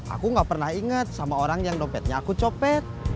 aku gak pernah ingat sama orang yang dompetnya aku copet